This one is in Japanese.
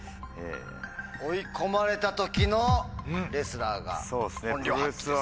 追い込まれた時のレスラーが本領発揮です。